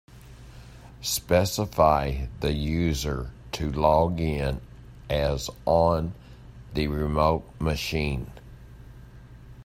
Specify the user to log in as on the remote machine.